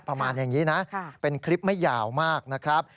ประมาณอย่างนี้นะเป็นคลิปไม่ยาวมากนะครับ